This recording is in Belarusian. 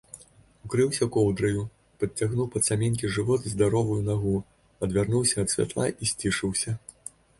Укрыўся коўдраю, падцягнуў пад саменькі жывот здаровую нагу, адвярнуўся ад святла і сцішыўся.